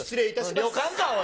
旅館か、おい。